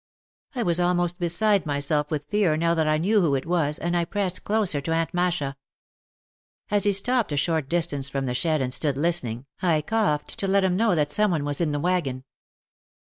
I was almost beside myself with fear now that I knew who it was and I pressed closer to Aunt Masha. As he stopped a short distance from the shed and stood listen ing, I coughed to let him know that some one was in the wagon.